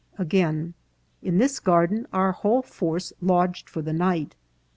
Again :" In this garden our whole force lodged for the night.